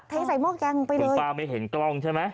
ใส่หม้อแกงไปเลยคือป้าไม่เห็นกล้องใช่ไหม